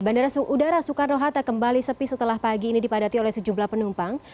bandara udara soekarno hatta kembali sepi setelah pagi ini dipadati oleh sejumlah penumpang